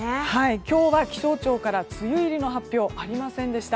今日は気象庁から梅雨入りの発表ありませんでした。